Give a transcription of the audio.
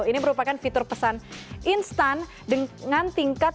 ini merupakan fitur pesan instan dengan tingkat